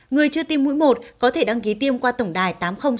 người chưa tiêm mũi một có thể đăng ký tiêm qua tổng đài tám nghìn sáu mươi sáu